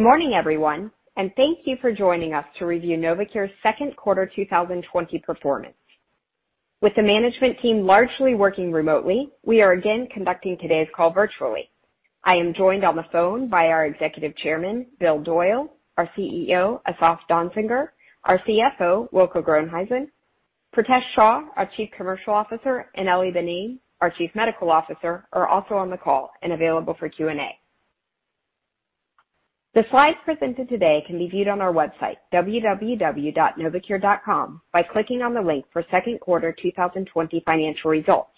Good morning, everyone, and thank you for joining us to review Novocure's second quarter 2020 performance. With the management team largely working remotely, we are again conducting today's call virtually. I am joined on the phone by our Executive Chairman, Will Doyle, our CEO, Asaf Danziger, our CFO, Wilco Groenhuysen, Pritesh Shah, our Chief Commercial Officer, and Ely Benaim, our Chief Medical Officer, are also on the call and available for Q&A. The slides presented today can be viewed on our website, www.novocure.com, by clicking on the link for second quarter 2020 financial results,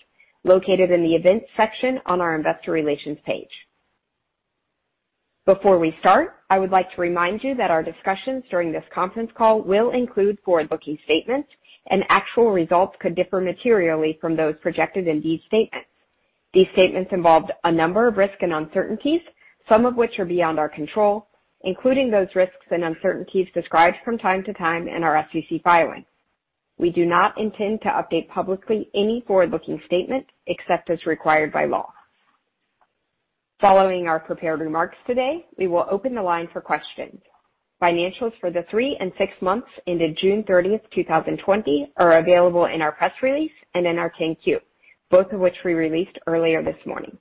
located in the Events section on our Investor Relations page. Before we start, I would like to remind you that our discussions during this conference call will include forward-looking statements, and actual results could differ materially from those projected in these statements. These statements involve a number of risks and uncertainties, some of which are beyond our control, including those risks and uncertainties described from time to time in our SEC filing. We do not intend to update publicly any forward-looking statement except as required by law. Following our prepared remarks today, we will open the line for questions. Financials for the three and six months ended June 30, 2020, are available in our press release and in our 8-K, both of which we released earlier this morning.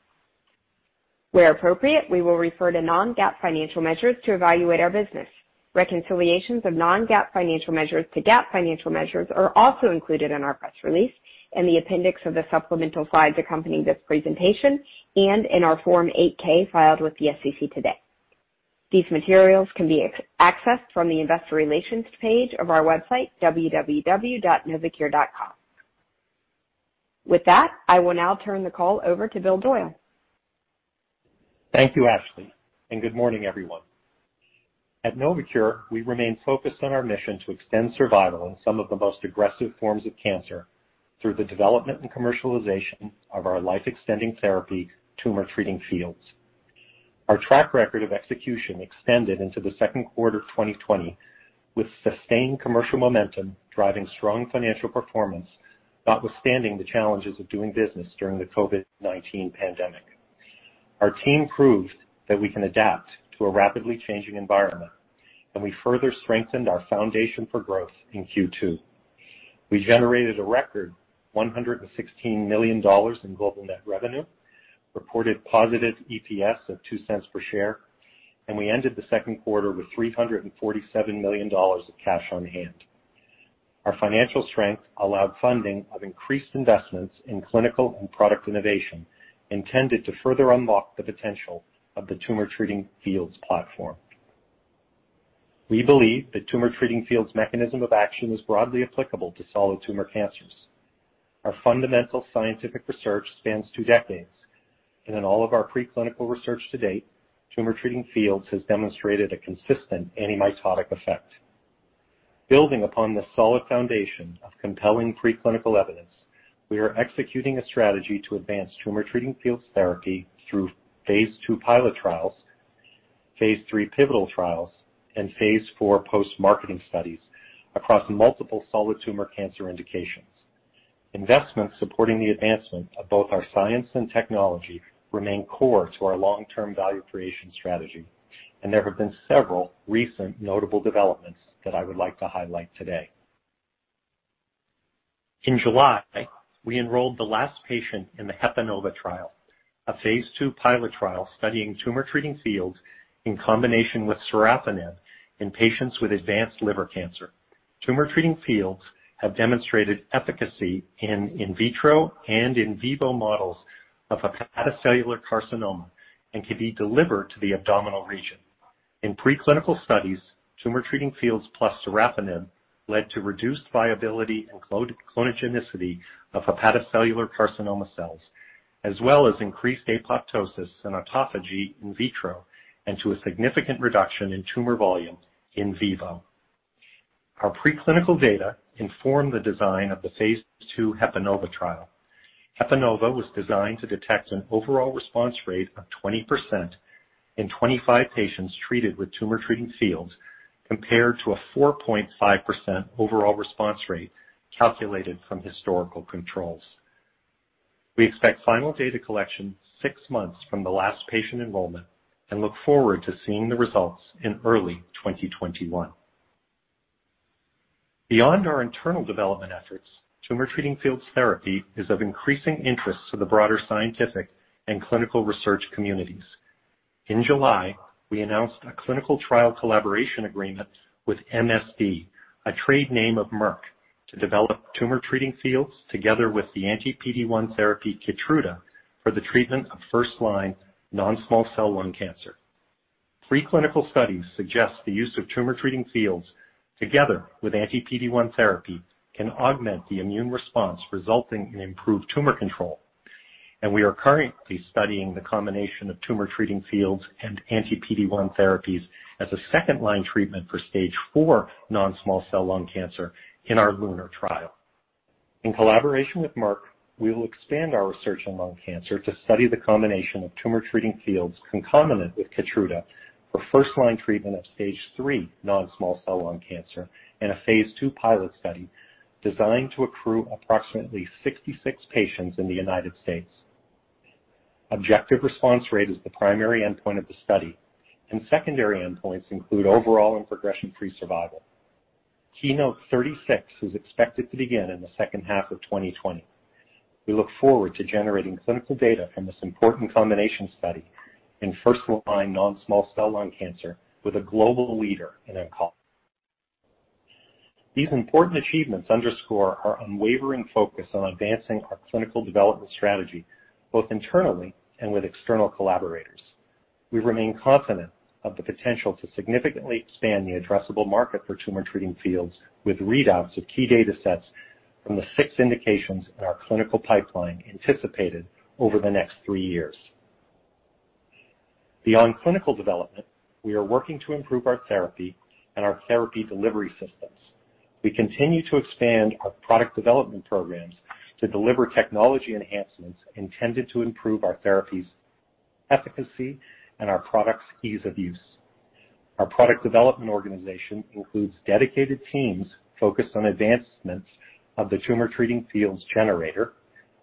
Where appropriate, we will refer to non-GAAP financial measures to evaluate our business. Reconciliations of non-GAAP financial measures to GAAP financial measures are also included in our press release and the appendix of the supplemental slides accompanying this presentation and in our Form 8-K filed with the SEC today. These materials can be accessed from the Investor Relations page of our website, www.novocure.com. With that, I will now turn the call over to Will Doyle. Thank you, Ashley, and good morning, everyone. At Novocure, we remain focused on our mission to extend survival in some of the most aggressive forms of cancer through the development and commercialization of our life-extending therapy Tumor Treating Fields. Our track record of execution extended into the second quarter of 2020, with sustained commercial momentum driving strong financial performance, notwithstanding the challenges of doing business during the COVID-19 pandemic. Our team proved that we can adapt to a rapidly changing environment, and we further strengthened our foundation for growth in Q2. We generated a record $116 million in global net revenue, reported positive EPS of $0.02 per share, and we ended the second quarter with $347 million of cash on hand. Our financial strength allowed funding of increased investments in clinical and product innovation intended to further unlock the potential of the Tumor Treating Fields platform. We believe that Tumor Treating Fields' mechanism of action is broadly applicable to solid tumor cancers. Our fundamental scientific research spans two decades, and in all of our preclinical research to date, Tumor Treating Fields have demonstrated a consistent antimitotic effect. Building upon this solid foundation of compelling preclinical evidence, we are executing a strategy to advance Tumor Treating Fields therapy through phase II pilot trials, phase III pivotal trials, and phase IV post-marketing studies across multiple solid tumor cancer indications. Investments supporting the advancement of both our science and technology remain core to our long-term value creation strategy, and there have been several recent notable developments that I would like to highlight today. In July, we enrolled the last patient in the HEPA-NOVA trial, a phase II pilot trial studying Tumor Treating Fields in combination with sorafenib in patients with advanced liver cancer. Treating Fields have demonstrated efficacy in in vitro and in vivo models of hepatocellular carcinoma and can be delivered to the abdominal region. In preclinical studies, Tumor Treating Fields plus sorafenib led to reduced viability and clonogenicity of hepatocellular carcinoma cells, as well as increased apoptosis and autophagy in vitro and to a significant reduction in tumor volume in vivo. Our preclinical data informed the design of the phase II HEPA-NOVA trial. HEPA-NOVA was designed to detect an overall response rate of 20% in 25 patients treated with Tumor Treating Fields compared to a 4.5% overall response rate calculated from historical controls. We expect final data collection six months from the last patient enrollment and look forward to seeing the results in early 2021. Beyond our internal development efforts, Tumor Treating Fields' therapy is of increasing interest to the broader scientific and clinical research communities. In July, we announced a clinical trial collaboration agreement with MSD, a trade name of Merck, to develop Tumor Treating Fields together with the anti-PD-1 therapy Keytruda for the treatment of first-line non-small cell lung cancer. Preclinical studies suggest the use of Tumor Treating Fields together with anti-PD-1 therapy can augment the immune response, resulting in improved tumor control, and we are currently studying the combination of Tumor Treating Fields and anti-PD-1 therapies as a second-line treatment for Stage IV non-small cell lung cancer in our LUNAR trial. In collaboration with Merck, we will expand our research in lung cancer to study the combination of Tumor Treating Fields concomitant with Keytruda for first-line treatment of Stage III non-small cell lung cancer in a Phase II pilot study designed to accrue approximately 66 patients in the United States. Objective response rate is the primary endpoint of the study, and secondary endpoints include overall and progression-free survival. KEYNOTE-B36 is expected to begin in the second half of 2020. We look forward to generating clinical data from this important combination study in first-line non-small cell lung cancer with a global leader in oncology. These important achievements underscore our unwavering focus on advancing our clinical development strategy both internally and with external collaborators. We remain confident of the potential to significantly expand the addressable market for Tumor Treating Fields with readouts of key data sets from the six indications in our clinical pipeline anticipated over the next three years. Beyond clinical development, we are working to improve our therapy and our therapy delivery systems. We continue to expand our product development programs to deliver technology enhancements intended to improve our therapy's efficacy and our product's ease of use. Our product development organization includes dedicated teams focused on advancements of the Tumor Treating Fields generator,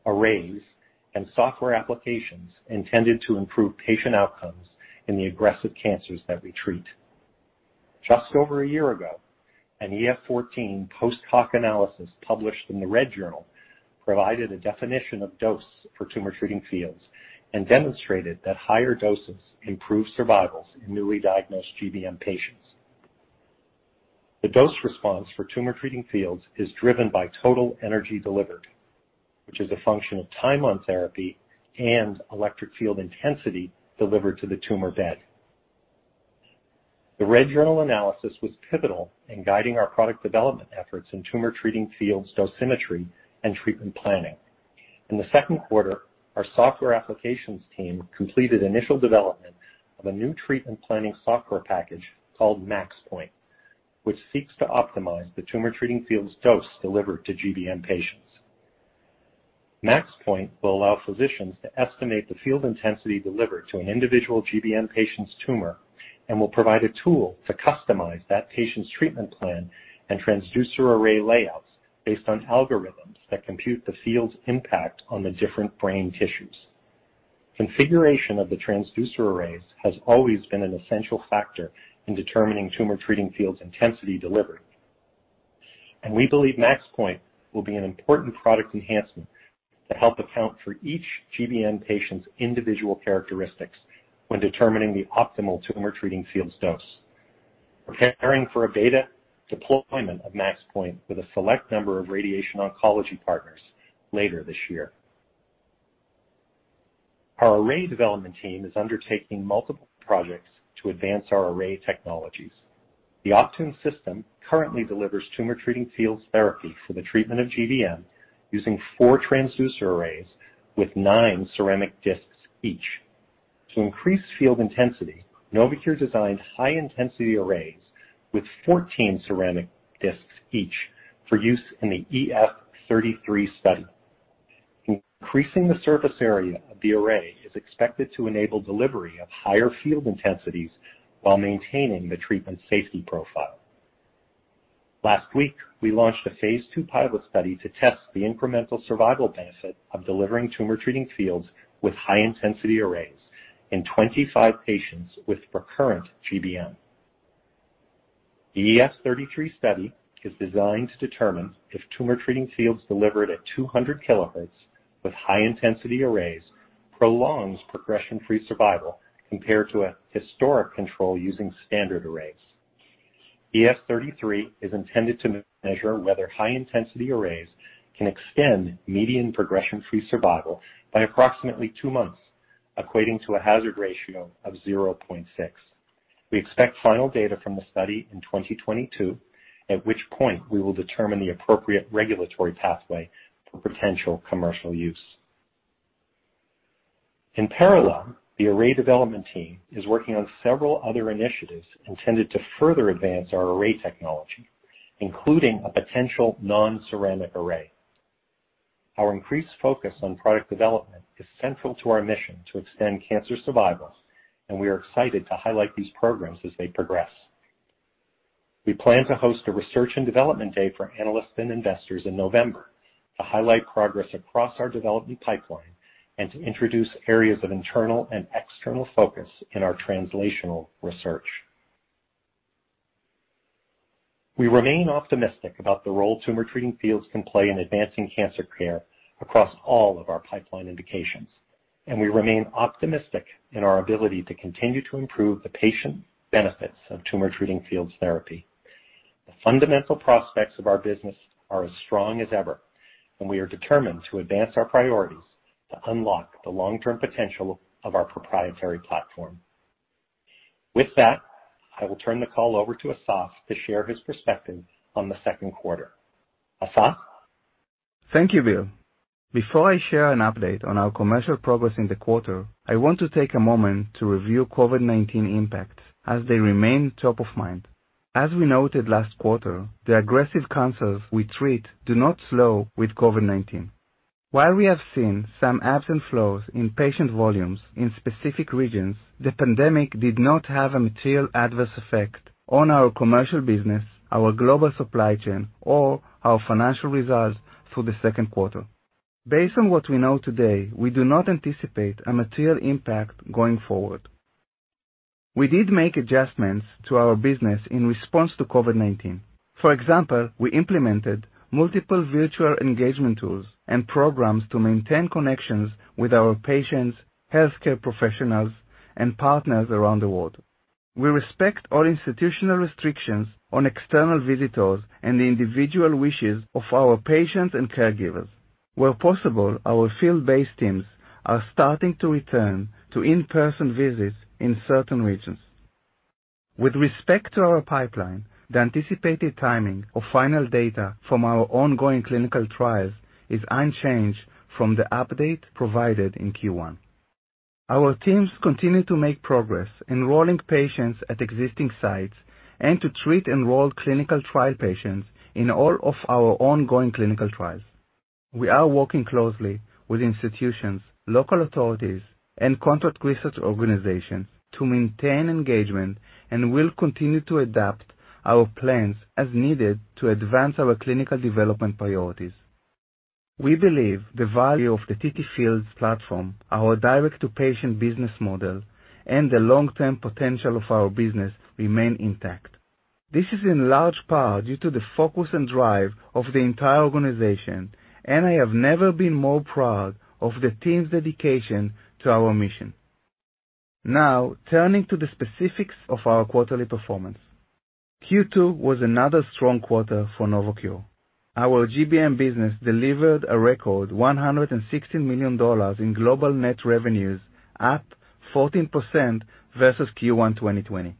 arrays, and software applications intended to improve patient outcomes in the aggressive cancers that we treat. Just over a year ago, an EF-14 post-hoc analysis published in the Red Journal provided a definition of dose for Tumor Treating Fields and demonstrated that higher doses improve survival in newly diagnosed GBM patients. The dose response for Tumor Treating Fields is driven by total energy delivered, which is a function of time on therapy and electric field intensity delivered to the tumor bed. The Red Journal analysis was pivotal in guiding our product development efforts in Tumor Treating Fields' dosimetry and treatment planning. In the second quarter, our software applications team completed initial development of a new treatment planning software package called MAXPOINT, which seeks to optimize the Tumor Treating Fields' dose delivered to GBM patients. MAXPOINT will allow physicians to estimate the field intensity delivered to an individual GBM patient's tumor and will provide a tool to customize that patient's treatment plan and transducer array layouts based on algorithms that compute the field's impact on the different brain tissues. Configuration of the transducer arrays has always been an essential factor in determining Tumor Treating Fields' intensity delivered, and we believe MAXPOINT will be an important product enhancement to help account for each GBM patient's individual characteristics when determining the optimal Tumor Treating Fields' dose. We're preparing for a beta deployment of MAXPOINT with a select number of radiation oncology partners later this year. Our array development team is undertaking multiple projects to advance our array technologies. The Optune system currently delivers Tumor Treating Fields' therapy for the treatment of GBM using four transducer arrays with nine ceramic discs each. To increase field intensity, Novocure designed high-intensity arrays with 14 ceramic discs each for use in the EF-33 study. Increasing the surface area of the array is expected to enable delivery of higher field intensities while maintaining the treatment safety profile. Last week, we launched a phase II pilot study to test the incremental survival benefit of delivering Tumor Treating Fields with high-intensity arrays in 25 patients with recurrent GBM. The EF-33 study is designed to determine if Tumor Treating Fields delivered at 200 kilohertz with high-intensity arrays prolongs progression-free survival compared to a historic control using standard arrays. EF-33 is intended to measure whether high-intensity arrays can extend median progression-free survival by approximately two months, equating to a hazard ratio of 0.6. We expect final data from the study in 2022, at which point we will determine the appropriate regulatory pathway for potential commercial use. In parallel, the array development team is working on several other initiatives intended to further advance our array technology, including a potential non-ceramic array. Our increased focus on product development is central to our mission to extend cancer survival, and we are excited to highlight these programs as they progress. We plan to host a research and development day for analysts and investors in November to highlight progress across our development pipeline and to introduce areas of internal and external focus in our translational research. We remain optimistic about the role Tumor Treating Fields can play in advancing cancer care across all of our pipeline indications, and we remain optimistic in our ability to continue to improve the patient benefits of Tumor Treating Fields therapy. The fundamental prospects of our business are as strong as ever, and we are determined to advance our priorities to unlock the long-term potential of our proprietary platform. With that, I will turn the call over to Asaf to share his perspective on the second quarter. Asaf? Thank you, Bill. Before I share an update on our commercial progress in the quarter, I want to take a moment to review COVID-19 impacts as they remain top of mind. As we noted last quarter, the aggressive cancers we treat do not slow with COVID-19. While we have seen some absences in patient volumes in specific regions, the pandemic did not have a material adverse effect on our commercial business, our global supply chain, or our financial results through the second quarter. Based on what we know today, we do not anticipate a material impact going forward. We did make adjustments to our business in response to COVID-19. For example, we implemented multiple virtual engagement tools and programs to maintain connections with our patients, healthcare professionals, and partners around the world. We respect all institutional restrictions on external visitors and the individual wishes of our patients and caregivers. Where possible, our field-based teams are starting to return to in-person visits in certain regions. With respect to our pipeline, the anticipated timing of final data from our ongoing clinical trials is unchanged from the update provided in Q1. Our teams continue to make progress enrolling patients at existing sites and to treat enrolled clinical trial patients in all of our ongoing clinical trials. We are working closely with institutions, local authorities, and contract research organizations to maintain engagement and will continue to adapt our plans as needed to advance our clinical development priorities. We believe the value of the TT-Fields platform, our direct-to-patient business model, and the long-term potential of our business remain intact. This is in large part due to the focus and drive of the entire organization, and I have never been more proud of the team's dedication to our mission. Now, turning to the specifics of our quarterly performance. Q2 was another strong quarter for Novocure. Our GBM business delivered a record $116 million in global net revenues, up 14% versus Q1 2020.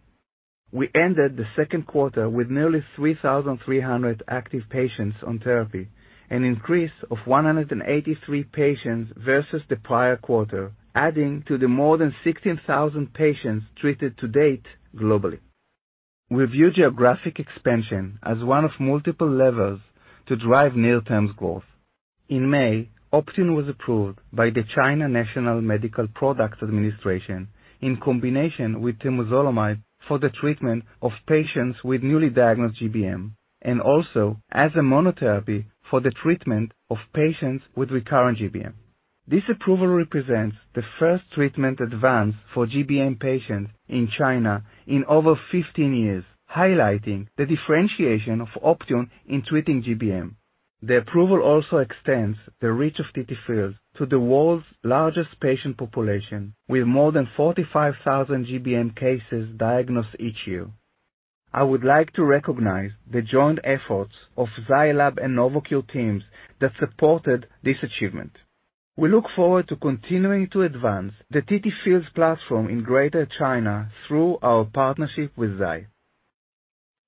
We ended the second quarter with nearly 3,300 active patients on therapy, an increase of 183 patients versus the prior quarter, adding to the more than 16,000 patients treated to date globally. We view geographic expansion as one of multiple levers to drive near-term growth. In May, Optune was approved by the China National Medical Products Administration in combination with temozolomide for the treatment of patients with newly diagnosed GBM and also as a monotherapy for the treatment of patients with recurrent GBM. This approval represents the first treatment advance for GBM patients in China in over 15 years, highlighting the differentiation of Optune in treating GBM. The approval also extends the reach of TT-Fields to the world's largest patient population, with more than 45,000 GBM cases diagnosed each year. I would like to recognize the joint efforts of Zai Lab and Novocure teams that supported this achievement. We look forward to continuing to advance the TT-Fields platform in Greater China through our partnership with Zai.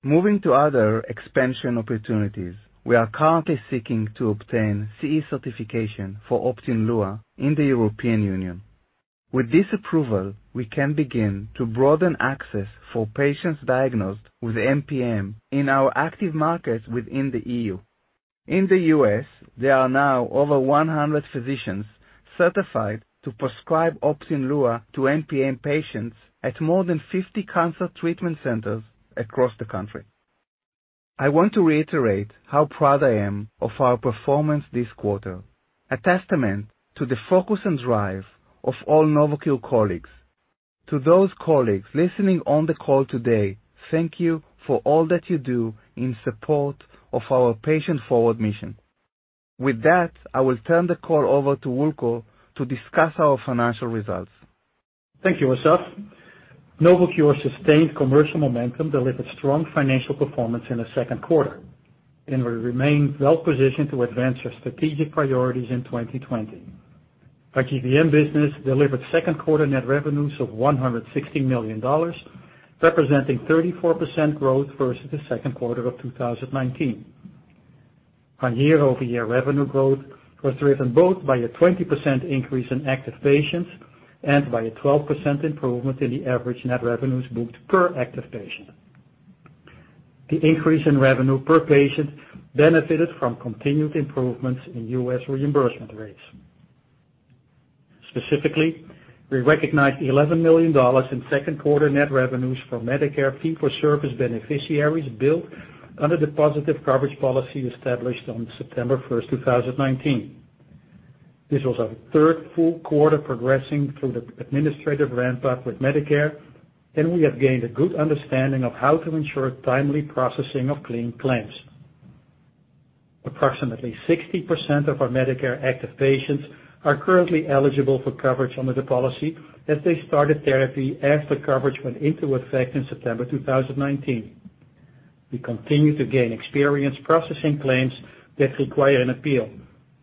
Moving to other expansion opportunities, we are currently seeking to obtain CE certification for Optune Lua in the European Union. With this approval, we can begin to broaden access for patients diagnosed with MPM in our active markets within the EU. In the U.S., there are now over 100 physicians certified to prescribe Optune Lua to MPM patients at more than 50 cancer treatment centers across the country. I want to reiterate how proud I am of our performance this quarter, a testament to the focus and drive of all Novocure colleagues. To those colleagues listening on the call today, thank you for all that you do in support of our patient-forward mission. With that, I will turn the call over to Wilco to discuss our financial results. Thank you, Asaf. Novocure's sustained commercial momentum delivered strong financial performance in the second quarter, and we remain well-positioned to advance our strategic priorities in 2020. Our GBM business delivered second-quarter net revenues of $116 million, representing 34% growth versus the second quarter of 2019. Our year-over-year revenue growth was driven both by a 20% increase in active patients and by a 12% improvement in the average net revenues booked per active patient. The increase in revenue per patient benefited from continued improvements in U.S. reimbursement rates. Specifically, we recognized $11 million in second-quarter net revenues for Medicare fee-for-service beneficiaries billed under the positive coverage policy established on September 1, 2019. This was our third full quarter progressing through the administrative ramp-up with Medicare, and we have gained a good understanding of how to ensure timely processing of claims. Approximately 60% of our Medicare active patients are currently eligible for coverage under the policy as they started therapy after coverage went into effect in September 2019. We continue to gain experience processing claims that require an appeal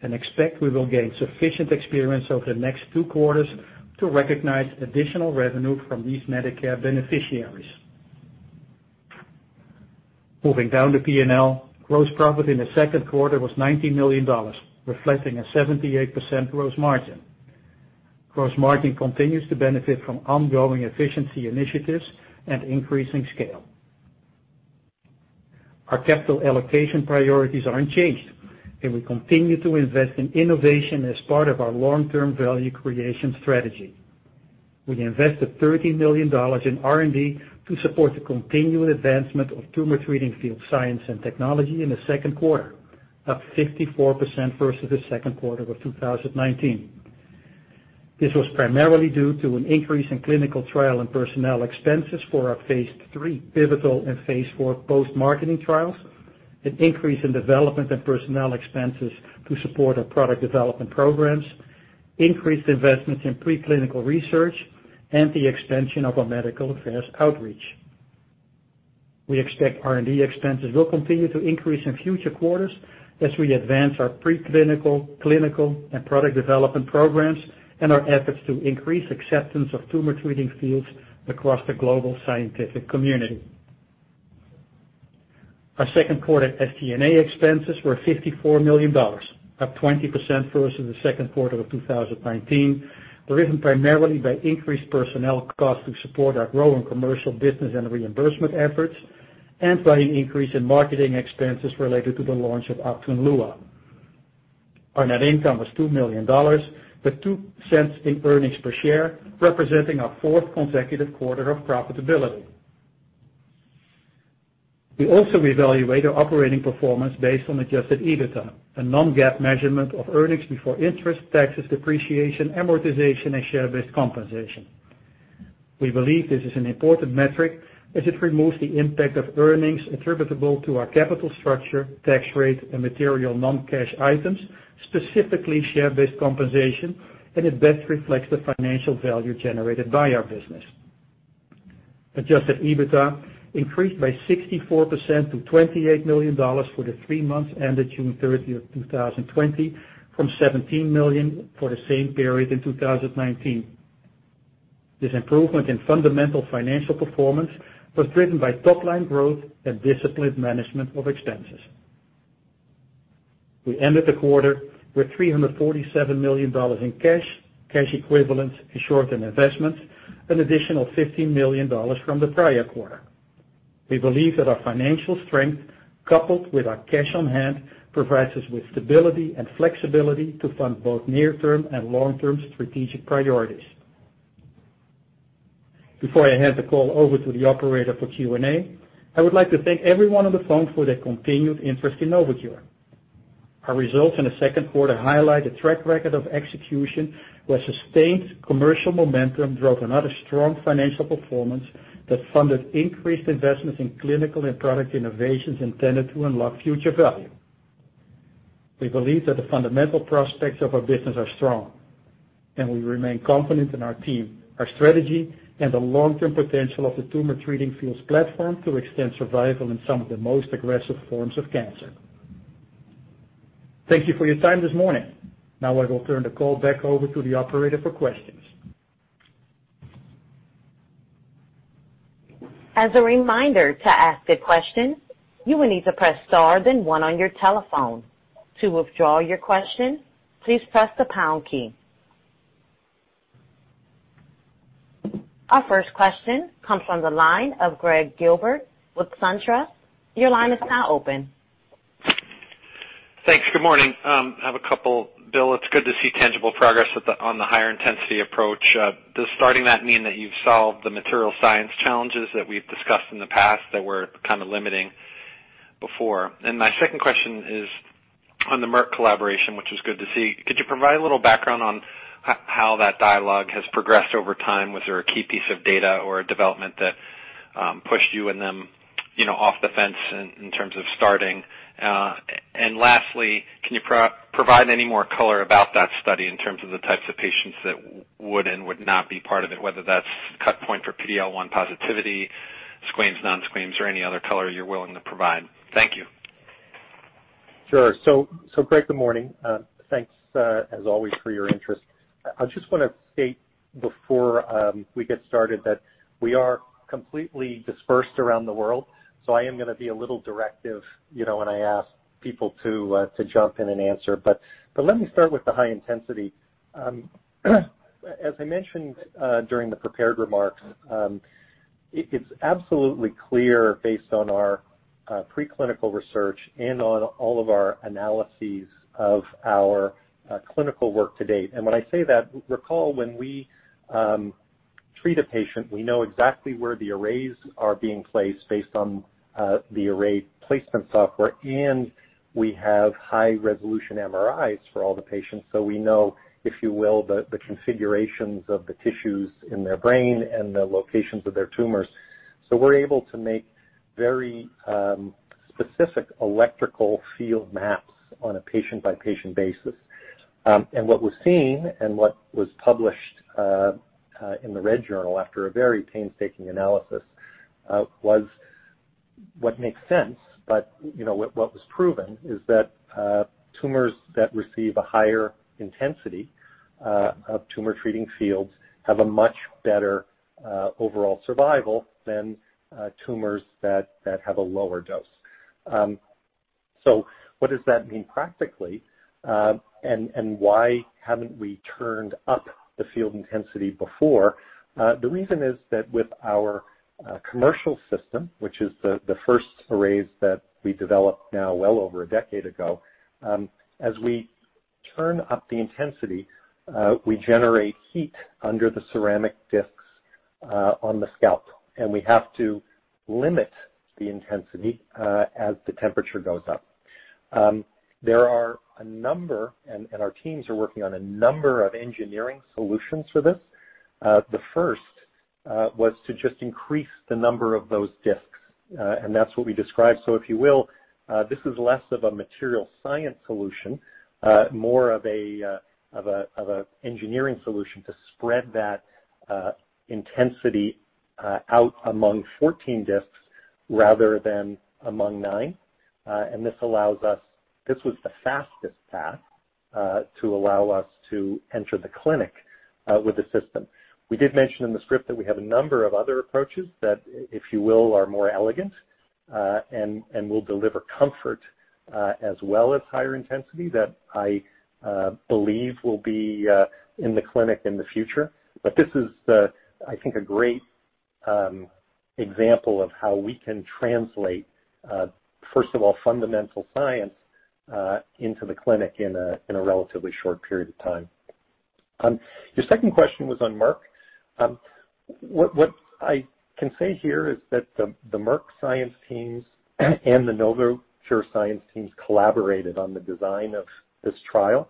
and expect we will gain sufficient experience over the next two quarters to recognize additional revenue from these Medicare beneficiaries. Moving down the P&L, gross profit in the second quarter was $19 million, reflecting a 78% gross margin. Gross margin continues to benefit from ongoing efficiency initiatives and increasing scale. Our capital allocation priorities are unchanged, and we continue to invest in innovation as part of our long-term value creation strategy. We invested $30 million in R&D to support the continued advancement of Tumor Treating Fields science and technology in the second quarter, up 54% versus the second quarter of 2019. This was primarily due to an increase in clinical trial and personnel expenses for our phase III pivotal and phase IV post-marketing trials, an increase in development and personnel expenses to support our product development programs, increased investments in preclinical research, and the expansion of our medical affairs outreach. We expect R&D expenses will continue to increase in future quarters as we advance our preclinical, clinical, and product development programs and our efforts to increase acceptance of Tumor Treating Fields across the global scientific community. Our second-quarter SG&A expenses were $54 million, up 20% versus the second quarter of 2019, driven primarily by increased personnel costs to support our growing commercial business and reimbursement efforts and by an increase in marketing expenses related to the launch of Optune Lua. Our net income was $2 million, $0.02 in earnings per share, representing our fourth consecutive quarter of profitability. We also evaluate our operating performance based on Adjusted EBITDA, a non-GAAP measurement of earnings before interest, taxes, depreciation, amortization, and share-based compensation. We believe this is an important metric as it removes the impact of earnings attributable to our capital structure, tax rate, and material non-cash items, specifically share-based compensation, and it best reflects the financial value generated by our business. Adjusted EBITDA increased by 64% to $28 million for the three months ended June 30, 2020, from $17 million for the same period in 2019. This improvement in fundamental financial performance was driven by top-line growth and disciplined management of expenses. We ended the quarter with $347 million in cash, cash equivalents, and short-term investments, an additional $15 million from the prior quarter. We believe that our financial strength, coupled with our cash on hand, provides us with stability and flexibility to fund both near-term and long-term strategic priorities. Before I hand the call over to the operator for Q&A, I would like to thank everyone on the phone for their continued interest in Novocure. Our results in the second quarter highlight the track record of execution where sustained commercial momentum drove another strong financial performance that funded increased investments in clinical and product innovations intended to unlock future value. We believe that the fundamental prospects of our business are strong, and we remain confident in our team, our strategy, and the long-term potential of the Tumor Treating Fields platform to extend survival in some of the most aggressive forms of cancer. Thank you for your time this morning. Now, I will turn the call back over to the operator for questions. As a reminder to ask a question, you will need to press star then one on your telephone. To withdraw your question, please press the pound key. Our first question comes from the line of Greg Gilbert with SunTrust. Your line is now open. Thanks. Good morning. I have a couple. Will, it's good to see tangible progress on the higher-intensity approach. Does starting that mean that you've solved the material science challenges that we've discussed in the past that were kind of limiting before? And my second question is on the Merck collaboration, which was good to see. Could you provide a little background on how that dialogue has progressed over time? Was there a key piece of data or development that pushed you and them off the fence in terms of starting? And lastly, can you provide any more color about that study in terms of the types of patients that would and would not be part of it, whether that's cut point for PD-L1 positivity, squames, non-squames, or any other color you're willing to provide? Thank you. Sure. So, Greg, good morning. Thanks, as always, for your interest. I just want to state before we get started that we are completely dispersed around the world, so I am going to be a little directive when I ask people to jump in and answer, but let me start with the high-intensity. As I mentioned during the prepared remarks, it's absolutely clear based on our preclinical research and on all of our analyses of our clinical work to date, and when I say that, recall when we treat a patient, we know exactly where the arrays are being placed based on the array placement software, and we have high-resolution MRIs for all the patients, so we know, if you will, the configurations of the tissues in their brain and the locations of their tumors, so we're able to make very specific electrical field maps on a patient-by-patient basis. What was seen and what was published in the Red Journal after a very painstaking analysis was what makes sense, but what was proven is that tumors that receive a higher intensity of Tumor Treating Fields have a much better overall survival than tumors that have a lower dose. What does that mean practically, and why haven't we turned up the field intensity before? The reason is that with our commercial system, which is the first arrays that we developed now well over a decade ago, as we turn up the intensity, we generate heat under the ceramic discs on the scalp, and we have to limit the intensity as the temperature goes up. There are a number, and our teams are working on a number of engineering solutions for this. The first was to just increase the number of those discs, and that's what we described. So if you will, this is less of a material science solution, more of an engineering solution to spread that intensity out among 14 discs rather than among nine, and this allows us. This was the fastest path to allow us to enter the clinic with the system. We did mention in the script that we have a number of other approaches that, if you will, are more elegant and will deliver comfort as well as higher intensity that I believe will be in the clinic in the future. But this is, I think, a great example of how we can translate, first of all, fundamental science into the clinic in a relatively short period of time. Your second question was on Merck. What I can say here is that the Merck science teams and the Novocure science teams collaborated on the design of this trial.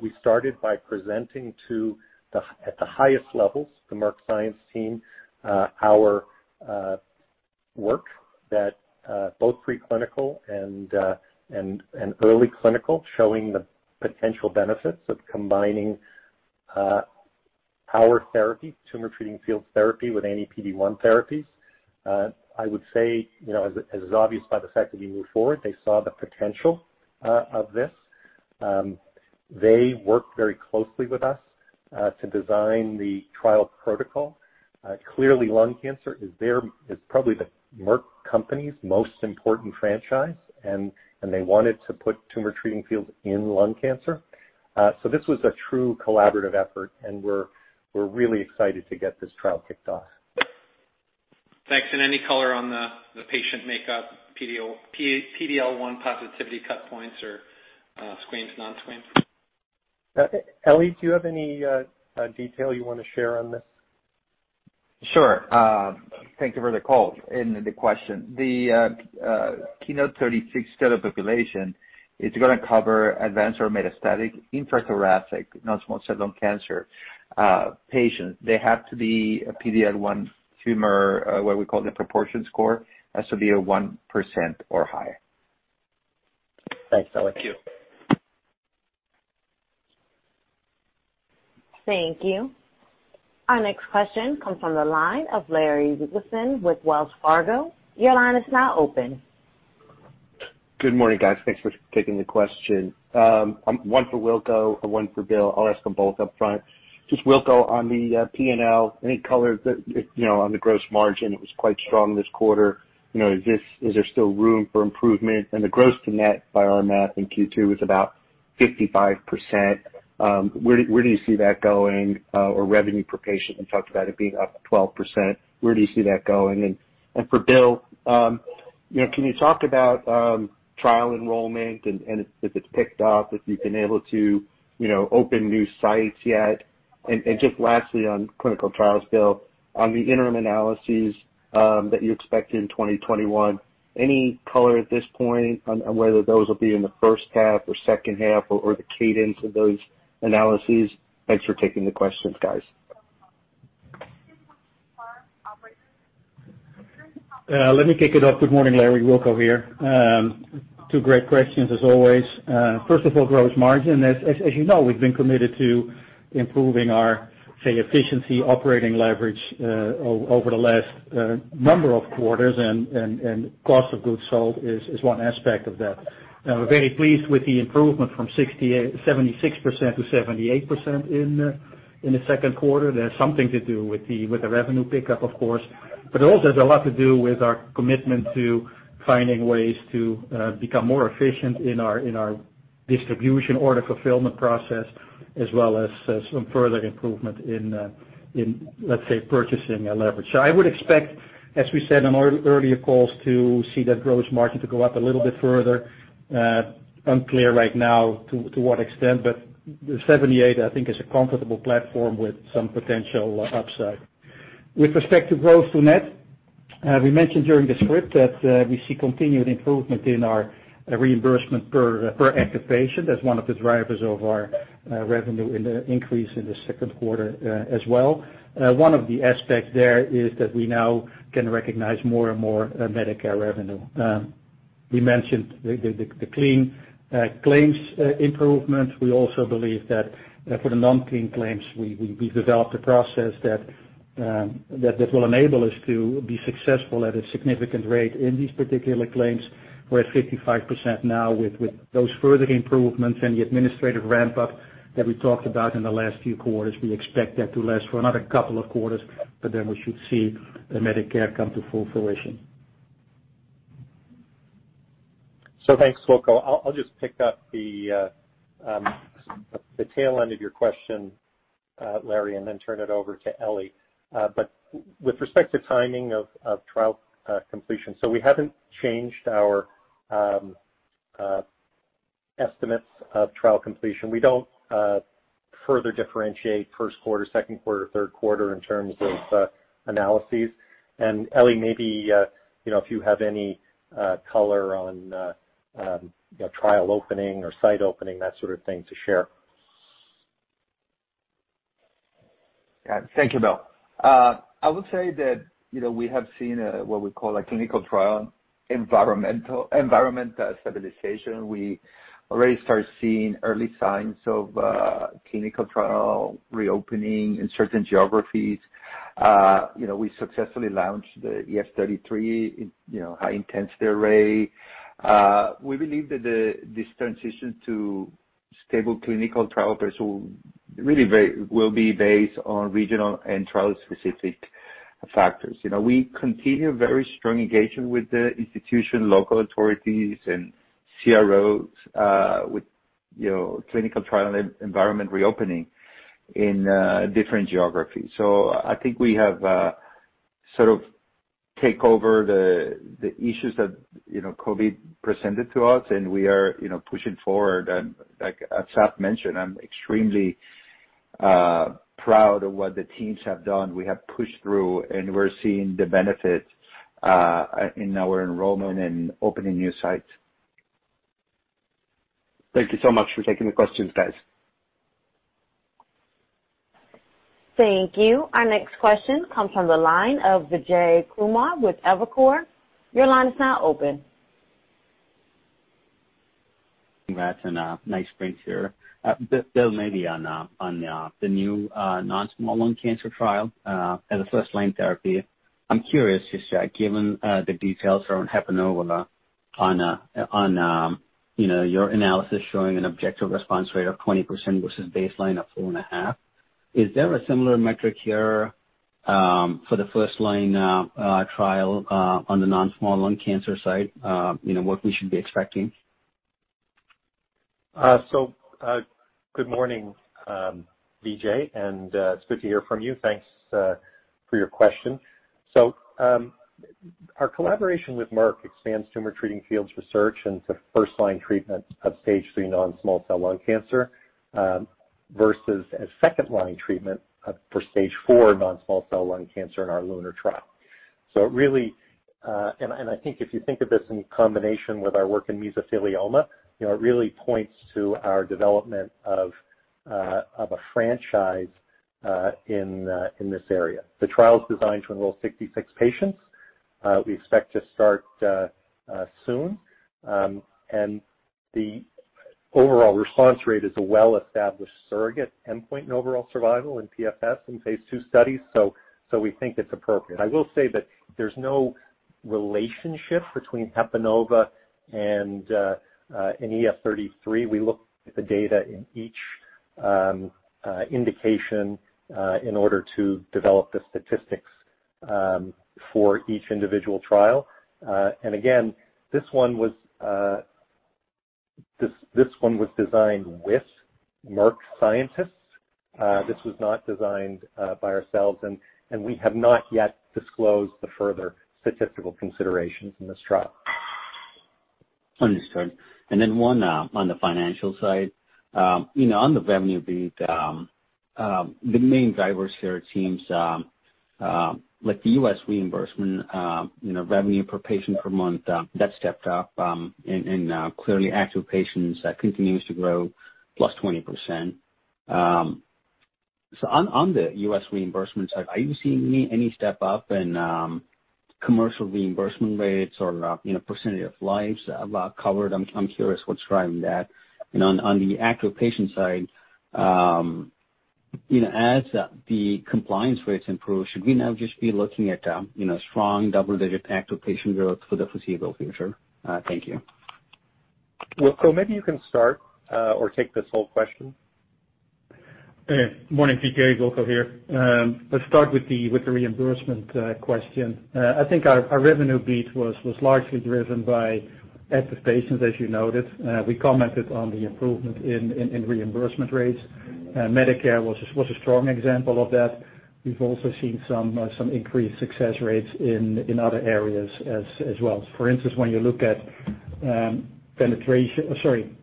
We started by presenting to, at the highest levels, the Merck science team, our work, both preclinical and early clinical, showing the potential benefits of combining our therapy, Tumor Treating Fields therapy, with any PD-1 therapies. I would say, as is obvious by the fact that we move forward, they saw the potential of this. They worked very closely with us to design the trial protocol. Clearly, lung cancer is probably the Merck company's most important franchise, and they wanted to put Tumor Treating Fields in lung cancer. So this was a true collaborative effort, and we're really excited to get this trial kicked off. Thanks. And any color on the patient makeup, PD-L1 positivity cut points or squames, non-squames? Ely, do you have any detail you want to share on this? Sure. Thank you for the call and the question. The KEYNOTE study focused on a population is going to cover advanced or metastatic intrathoracic non-small cell lung cancer patients. They have to be a PD-L1 tumor where the TPS, the proportion score, has to be 1% or higher. Thanks, Ely. Thank you. Thank you. Our next question comes from the line of Larry Biegelsen with Wells Fargo. Your line is now open. Good morning, guys. Thanks for taking the question. One for Wilco and one for Bill. I'll ask them both upfront. Just Wilco on the P&L, any color on the gross margin? It was quite strong this quarter. Is there still room for improvement? And the gross to net by our math in Q2 is about 55%. Where do you see that going? Or revenue per patient, we talked about it being up 12%. Where do you see that going? And for Will, can you talk about trial enrollment and if it's picked up, if you've been able to open new sites yet? And just lastly on clinical trials, Bill, on the interim analyses that you expect in 2021, any color at this point on whether those will be in the first half or second half or the cadence of those analyses? Thanks for taking the questions, guys. Let me kick it off. Good morning, Larry. Wilco here. Two great questions as always. First of all, gross margin. As you know, we've been committed to improving our, say, efficiency, operating leverage over the last number of quarters, and cost of goods sold is one aspect of that. We're very pleased with the improvement from 76% to 78% in the second quarter. There's something to do with the revenue pickup, of course, but it also has a lot to do with our commitment to finding ways to become more efficient in our distribution order fulfillment process, as well as some further improvement in, let's say, purchasing leverage. So I would expect, as we said on earlier calls, to see that gross margin to go up a little bit further. Unclear right now to what extent, but 78, I think, is a comfortable platform with some potential upside. With respect to gross to net, we mentioned during the script that we see continued improvement in our reimbursement per active patient. That's one of the drivers of our revenue increase in the second quarter as well. One of the aspects there is that we now can recognize more and more Medicare revenue. We mentioned the clean claims improvement. We also believe that for the non-clean claims, we've developed a process that will enable us to be successful at a significant rate in these particular claims. We're at 55% now with those further improvements and the administrative ramp-up that we talked about in the last few quarters. We expect that to last for another couple of quarters, but then we should see Medicare come to full fruition. So thanks, Wilco. I'll just pick up the tail end of your question, Larry, and then turn it over to Ely. But with respect to timing of trial completion, so we haven't changed our estimates of trial completion. We don't further differentiate first quarter, second quarter, third quarter in terms of analyses. And Ely, maybe if you have any color on trial opening or site opening, that sort of thing to share. Thank you, Bill. I would say that we have seen what we call a clinical trial environmental stabilization. We already started seeing early signs of clinical trial reopening in certain geographies. We successfully launched the EF-33 high-intensity array. We believe that this transition to stable clinical trial basis will really be based on regional and trial-specific factors. We continue very strong engagement with the institution, local authorities, and CROs with clinical trial environment reopening in different geographies. So I think we have sort of taken over the issues that COVID presented to us, and we are pushing forward. And like Asaf mentioned, I'm extremely proud of what the teams have done. We have pushed through, and we're seeing the benefit in our enrollment and opening new sites. Thank you so much for taking the questions, guys. Thank you. Our next question comes from the line of Vijay Kumar with Evercore ISI. Your line is now open. Congrats and nice spring here. Bill, maybe on the new non-small cell lung cancer trial as a first-line therapy. I'm curious, just given the details around HEPA-NOVA on your analysis showing an objective response rate of 20% versus baseline of 4.5%, is there a similar metric here for the first-line trial on the non-small cell lung cancer side, what we should be expecting? Good morning, Vijay, and it's good to hear from you. Thanks for your question. Our collaboration with Merck expands tumor-treating fields research into first-line treatment of stage III non-small cell lung cancer versus a second-line treatment for stage IV non-small cell lung cancer in our LUNAR trial. Really, and I think if you think of this in combination with our work in mesothelioma, it really points to our development of a franchise in this area. The trial is designed to enroll 66 patients. We expect to start soon, and the overall response rate is a well-established surrogate endpoint in overall survival in PFS and phase II studies, so we think it's appropriate. I will say that there's no relationship between HEPA-NOVA and EF-33. We look at the data in each indication in order to develop the statistics for each individual trial. And again, this one was designed with Merck scientists. This was not designed by ourselves, and we have not yet disclosed the further statistical considerations in this trial. Understood. And then one on the financial side. On the revenue beat, the main drivers here seems like the U.S. reimbursement revenue per patient per month, that stepped up, and clearly active patients continues to grow +20%. So on the U.S. reimbursement side, are you seeing any step up in commercial reimbursement rates or percentage of lives covered? I'm curious what's driving that. And on the active patient side, as the compliance rates improve, should we now just be looking at strong double-digit active patient growth for the foreseeable future? Thank you. Wilco, maybe you can start or take this whole question. Morning, Vijay. Wilco here. Let's start with the reimbursement question. I think our revenue beat was largely driven by active patients, as you noted. We commented on the improvement in reimbursement rates. Medicare was a strong example of that. We've also seen some increased success rates in other areas as well. For instance, when you look at penetration, sorry,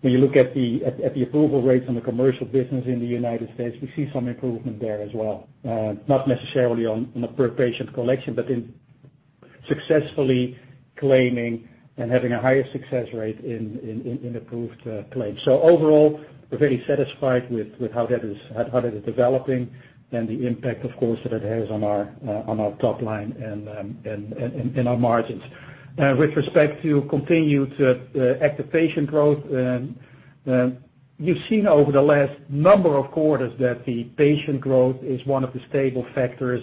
when you look at the approval rates on the commercial business in the United States, we see some improvement there as well. Not necessarily on the per patient collection, but in successfully claiming and having a higher success rate in approved claims. So overall, we're very satisfied with how that is developing and the impact, of course, that it has on our top line and our margins. With respect to continued active patient growth, you've seen over the last number of quarters that the patient growth is one of the stable factors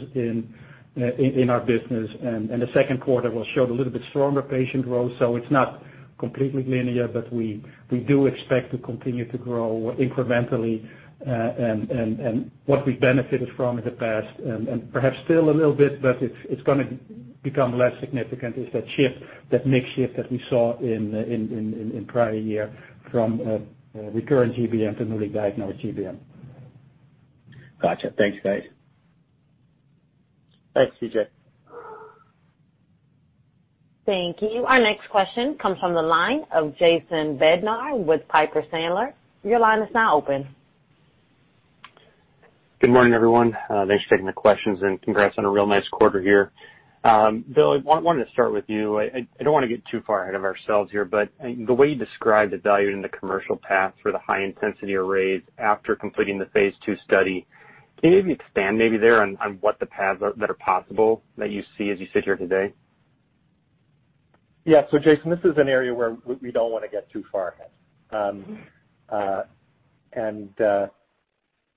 in our business, and the second quarter will show a little bit stronger patient growth, so it's not completely linear, but we do expect to continue to grow incrementally, and what we've benefited from in the past, and perhaps still a little bit, but it's going to become less significant, is that shift, that mixed shift that we saw in prior year from recurrent GBM to newly diagnosed GBM. Gotcha. Thanks, guys. Thanks, Vijay. Thank you. Our next question comes from the line of Jason Bednar with Piper Sandler. Your line is now open. Good morning, everyone. Thanks for taking the questions, and congrats on a real nice quarter here. Bill, I wanted to start with you. I don't want to get too far ahead of ourselves here, but the way you described the value in the commercial path for the high-intensity arrays after completing the phase II study, can you maybe expand there on what the paths that are possible that you see as you sit here today? Yeah. So Jason, this is an area where we don't want to get too far ahead. And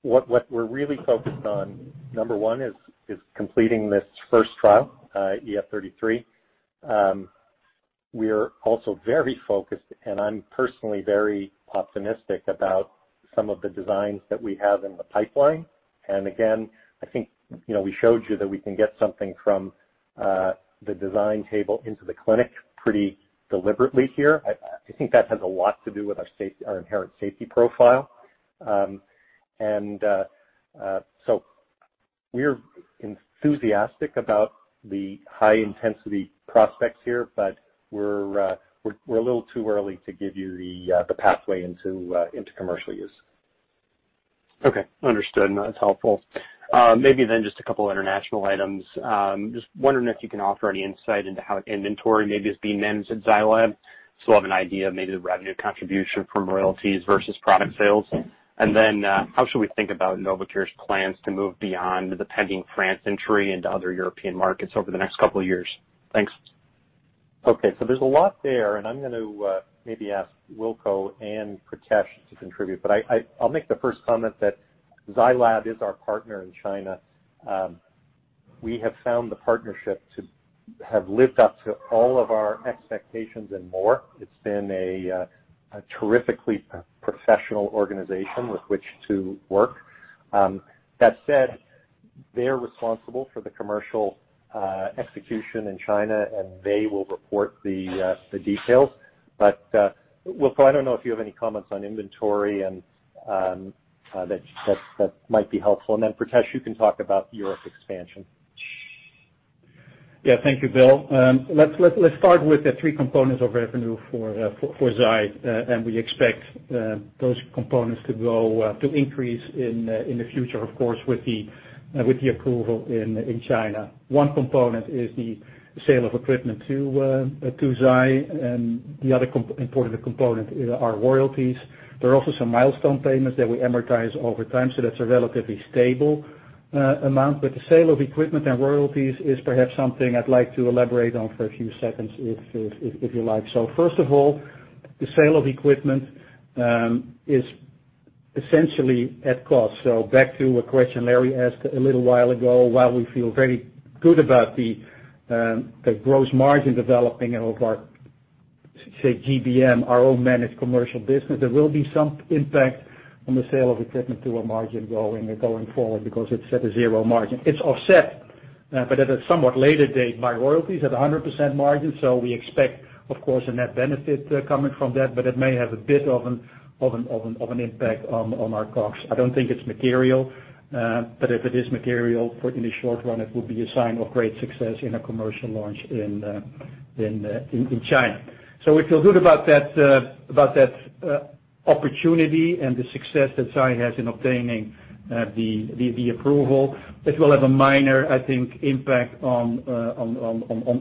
what we're really focused on, number one, is completing this first trial, EF-33. We're also very focused, and I'm personally very optimistic about some of the designs that we have in the pipeline. And again, I think we showed you that we can get something from the design table into the clinic pretty deliberately here. I think that has a lot to do with our inherent safety profile. And so we're enthusiastic about the high-intensity prospects here, but we're a little too early to give you the pathway into commercial use. Okay. Understood. That's helpful. Maybe then just a couple of international items. Just wondering if you can offer any insight into how inventory maybe is being managed at Zai Lab, so we'll have an idea of maybe the revenue contribution from royalties versus product sales. And then how should we think about Novocure's plans to move beyond the pending France entry into other European markets over the next couple of years? Thanks. Okay, so there's a lot there, and I'm going to maybe ask Wilco and Pritesh to contribute, but I'll make the first comment that Zai Lab is our partner in China. We have found the partnership to have lived up to all of our expectations and more. It's been a terrifically professional organization with which to work. That said, they're responsible for the commercial execution in China, and they will report the details. But Wilco, I don't know if you have any comments on inventory that might be helpful. And then Pritesh, you can talk about Europe expansion. Yeah. Thank you, Bill. Let's start with the three components of revenue for Zai, and we expect those components to increase in the future, of course, with the approval in China. One component is the sale of equipment to Zai, and the other important component are royalties. There are also some milestone payments that we amortize over time, so that's a relatively stable amount. But the sale of equipment and royalties is perhaps something I'd like to elaborate on for a few seconds if you like. So first of all, the sale of equipment is essentially at cost. So back to a question Larry asked a little while ago, while we feel very good about the gross margin developing of our, say, GBM, our own managed commercial business, there will be some impact on the sale of equipment to a margin going forward because it's at a zero margin. It's offset, but at a somewhat later date, by royalties at 100% margin. So we expect, of course, a net benefit coming from that, but it may have a bit of an impact on our costs. I don't think it's material, but if it is material in the short run, it would be a sign of great success in a commercial launch in China. So we feel good about that opportunity and the success that Zai has in obtaining the approval. It will have a minor, I think, impact on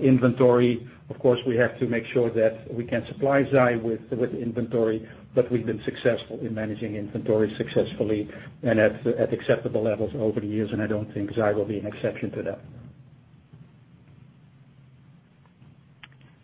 inventory. Of course, we have to make sure that we can supply Zai with inventory, but we've been successful in managing inventory successfully and at acceptable levels over the years, and I don't think Zai will be an exception to that.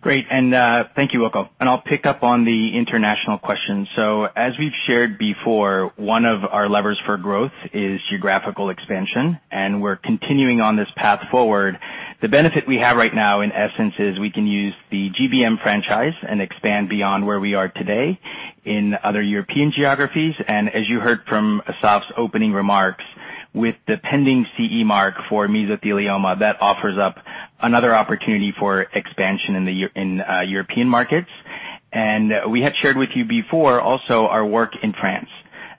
Great. And thank you, Wilco. And I'll pick up on the international question. So as we've shared before, one of our levers for growth is geographical expansion, and we're continuing on this path forward. The benefit we have right now, in essence, is we can use the GBM franchise and expand beyond where we are today in other European geographies. And as you heard from Asaf's opening remarks, with the pending CE mark for mesothelioma, that offers up another opportunity for expansion in European markets. And we had shared with you before also our work in France.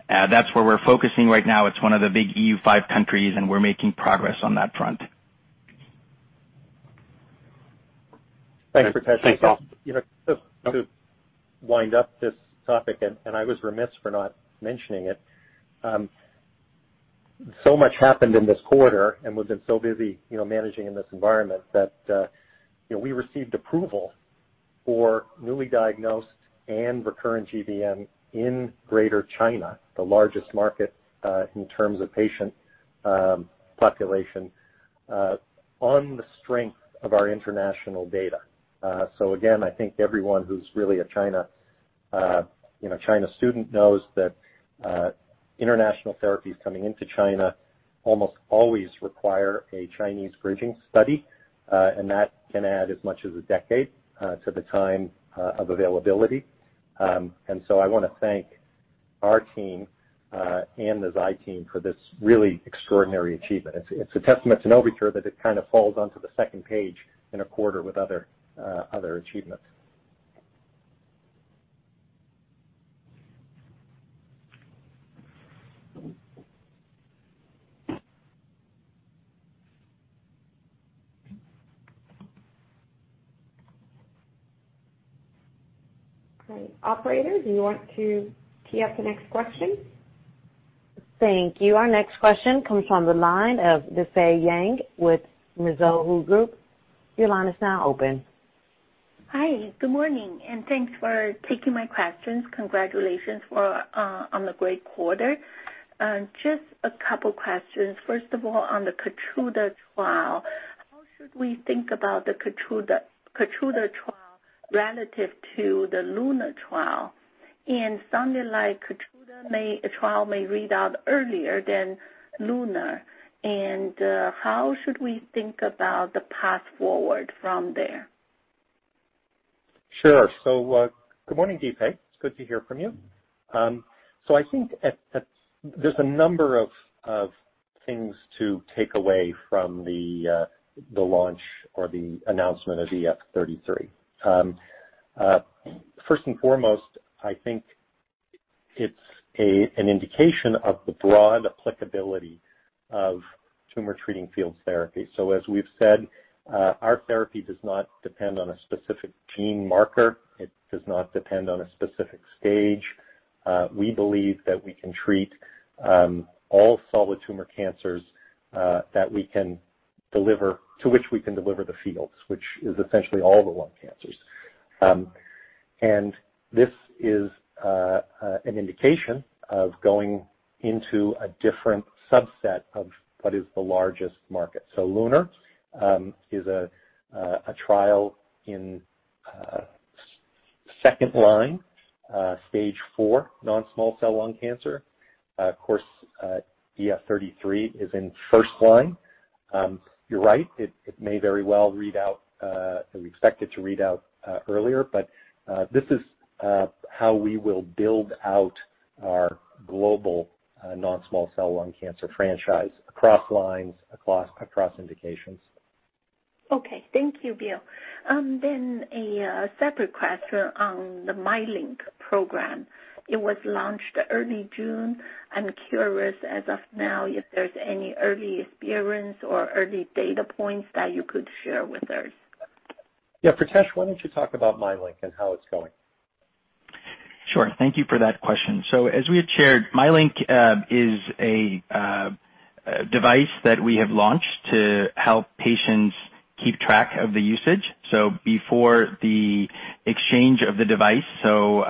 That's where we're focusing right now. It's one of the big EU five countries, and we're making progress on that front. Thanks, Pritesh. Thanks, Asaf. Just to wind up this topic, and I was remiss for not mentioning it. So much happened in this quarter, and we've been so busy managing in this environment that we received approval for newly diagnosed and recurrent GBM in Greater China, the largest market in terms of patient population, on the strength of our international data. So again, I think everyone who's really a China student knows that international therapies coming into China almost always require a Chinese bridging study, and that can add as much as a decade to the time of availability. And so I want to thank our team and the Zai team for this really extraordinary achievement. It's a testament to Novocure that it kind of falls onto the second page in a quarter with other achievements. Great. Operator, do you want to tee up the next question? Thank you. Our next question comes from the line of Difei Yang with Mizuho Securities. Your line is now open. Hi. Good morning, and thanks for taking my questions. Congratulations on the great quarter. Just a couple of questions. First of all, on the Keytruda trial, how should we think about the Keytruda trial relative to the LUNAR trial? In that light, Keytruda trial may read out earlier than LUNAR. And how should we think about the path forward from there? Sure. So good morning, DP. It's good to hear from you. So I think there's a number of things to take away from the launch or the announcement of EF-33. First and foremost, I think it's an indication of the broad applicability of Tumor Treating Fields therapy. So as we've said, our therapy does not depend on a specific gene marker. It does not depend on a specific stage. We believe that we can treat all solid tumor cancers to which we can deliver the fields, which is essentially all the lung cancers. And this is an indication of going into a different subset of what is the largest market. So LUNAR is a trial in second line, stage four, non-small cell lung cancer. Of course, EF-33 is in first line. You're right. It may very well read out, and we expect it to read out earlier, but this is how we will build out our global non-small cell lung cancer franchise across lines, across indications. Okay. Thank you, Bill. Then a separate question on the MyLink program. It was launched early June. I'm curious, as of now, if there's any early experience or early data points that you could share with us. Yeah. Pritesh, why don't you talk about MyLink and how it's going? Sure. Thank you for that question. So as we had shared, MyLink is a device that we have launched to help patients keep track of the usage. So before the exchange of the device, so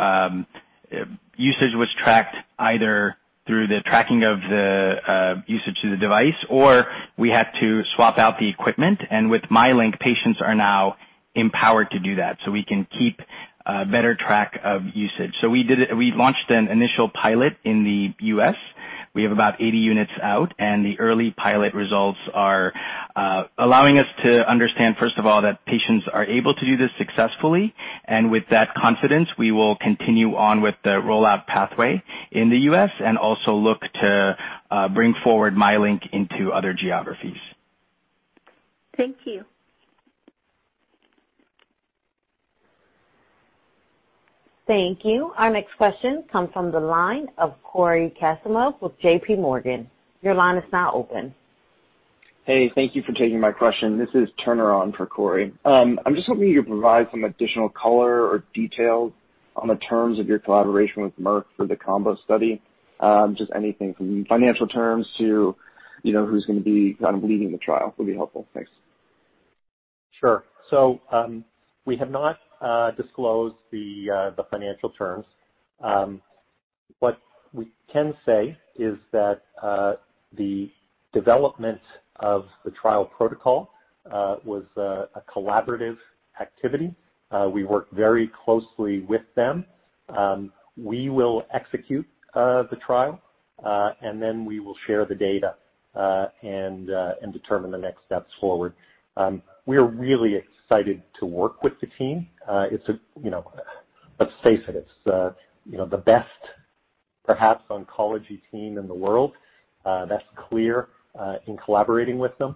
usage was tracked either through the tracking of the usage to the device, or we had to swap out the equipment. And with MyLink, patients are now empowered to do that, so we can keep better track of usage. So we launched an initial pilot in the U.S. We have about 80 units out, and the early pilot results are allowing us to understand, first of all, that patients are able to do this successfully. And with that confidence, we will continue on with the rollout pathway in the U.S. and also look to bring forward MyLink into other geographies. Thank you. Thank you. Our next question comes from the line of Cory Kasimov with J.P. Morgan. Your line is now open. Hey. Thank you for taking my question. This is Turner on for Cory. I'm just hoping you could provide some additional color or detail on the terms of your collaboration with Merck for the combo study. Just anything from financial terms to who's going to be kind of leading the trial would be helpful. Thanks. Sure. So we have not disclosed the financial terms. What we can say is that the development of the trial protocol was a collaborative activity. We worked very closely with them. We will execute the trial, and then we will share the data and determine the next steps forward. We are really excited to work with the team. Let's face it, it's the best, perhaps, oncology team in the world. That's clear in collaborating with them,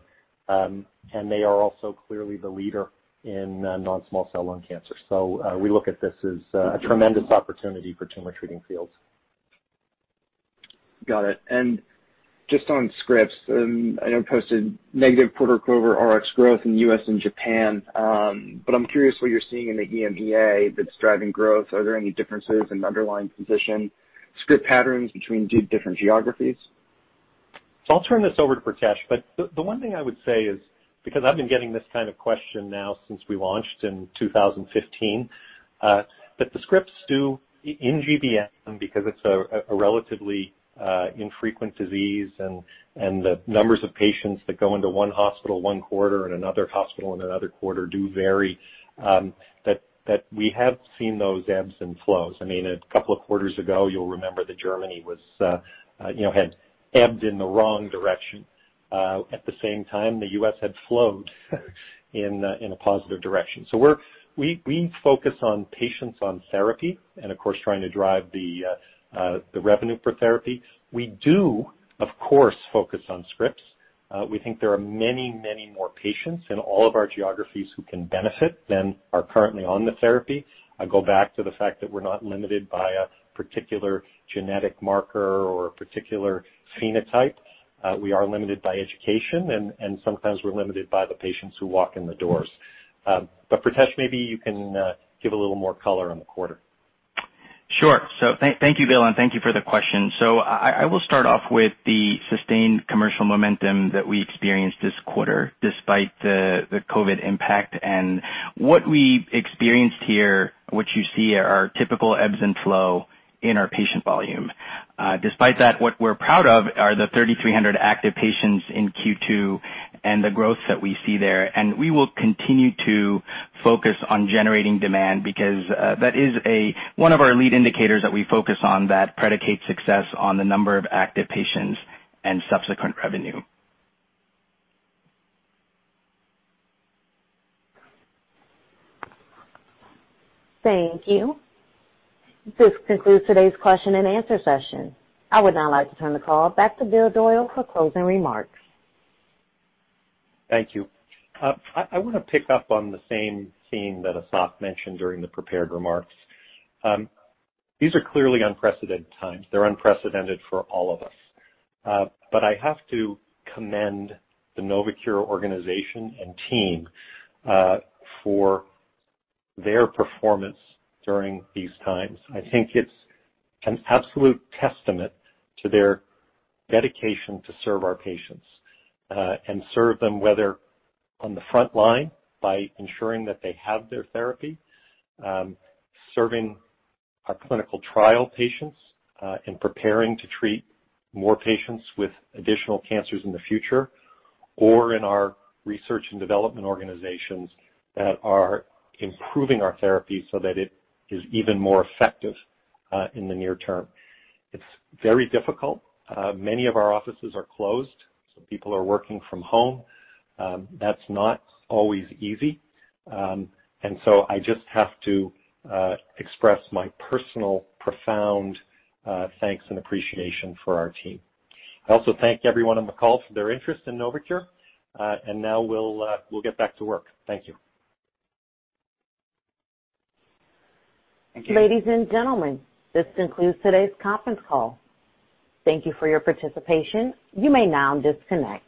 and they are also clearly the leader in non-small cell lung cancer. So we look at this as a tremendous opportunity for Tumor Treating Fields. Got it. And just on scripts, I know you posted negative quarter-over-quarter Rx growth in the US and Japan, but I'm curious what you're seeing in the EMEA that's driving growth. Are there any differences in underlying prescription patterns between different geographies? So I'll turn this over to Pritesh, but the one thing I would say is, because I've been getting this kind of question now since we launched in 2015, that the scripts do in GBM, because it's a relatively infrequent disease, and the numbers of patients that go into one hospital, one quarter, and another hospital in another quarter do vary, that we have seen those ebbs and flows. I mean, a couple of quarters ago, you'll remember that Germany had ebbed in the wrong direction. At the same time, the US had flowed in a positive direction. So we focus on patients on therapy and, of course, trying to drive the revenue for therapy. We do, of course, focus on scripts. We think there are many, many more patients in all of our geographies who can benefit than are currently on the therapy. I go back to the fact that we're not limited by a particular genetic marker or a particular phenotype. We are limited by education, and sometimes we're limited by the patients who walk in the doors. But Pritesh, maybe you can give a little more color on the quarter. Sure. So thank you, Bill, and thank you for the question. So I will start off with the sustained commercial momentum that we experienced this quarter despite the COVID impact. And what we experienced here, what you see, are typical ebbs and flows in our patient volume. Despite that, what we're proud of are the 3,300 active patients in Q2 and the growth that we see there. And we will continue to focus on generating demand because that is one of our lead indicators that we focus on that predicates success on the number of active patients and subsequent revenue. Thank you. This concludes today's question and answer session. I would now like to turn the call back to Bill Doyle for closing remarks. Thank you. I want to pick up on the same theme that Asaf mentioned during the prepared remarks. These are clearly unprecedented times. They're unprecedented for all of us. But I have to commend the Novocure organization and team for their performance during these times. I think it's an absolute testament to their dedication to serve our patients and serve them, whether on the front line by ensuring that they have their therapy, serving our clinical trial patients and preparing to treat more patients with additional cancers in the future, or in our research and development organizations that are improving our therapy so that it is even more effective in the near term. It's very difficult. Many of our offices are closed, so people are working from home. That's not always easy. And so I just have to express my personal profound thanks and appreciation for our team. I also thank everyone on the call for their interest in Novocure, and now we'll get back to work. Thank you. Thank you. Ladies and gentlemen, this concludes today's conference call. Thank you for your participation. You may now disconnect.